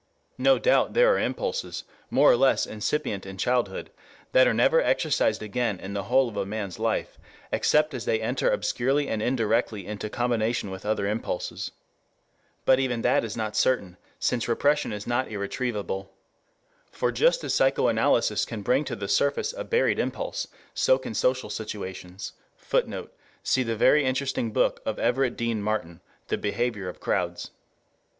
No doubt there are impulses, more or less incipient in childhood, that are never exercised again in the whole of a man's life, except as they enter obscurely and indirectly into combination with other impulses. But even that is not certain, since repression is not irretrievable. For just as psychoanalysis can bring to the surface a buried impulse, so can social situations. [Footnote: Cf. the very interesting book of Everett Dean Martin, The Behavior of Crowds.